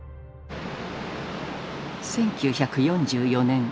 １９４４年。